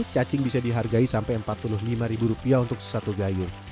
cacing bisa dihargai sampai empat puluh lima ribu rupiah untuk sesatu gayung